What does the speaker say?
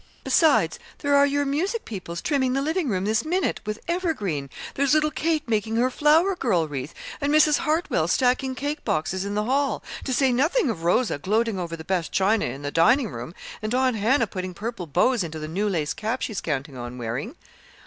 "Besides, there are your music pupils trimming the living room this minute with evergreen, there's little Kate making her flower girl wreath, and Mrs. Hartwell stacking cake boxes in the hall, to say nothing of Rosa gloating over the best china in the dining room, and Aunt Hannah putting purple bows into the new lace cap she's counting on wearing.